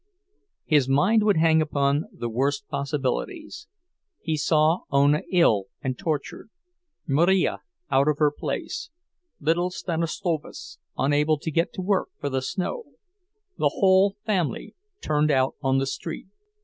His mind would hang upon the worst possibilities; he saw Ona ill and tortured, Marija out of her place, little Stanislovas unable to get to work for the snow, the whole family turned out on the street.